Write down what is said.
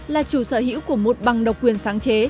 là chủ sở hữu của một bằng độc quyền sáng chế